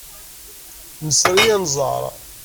Nesri anẓar.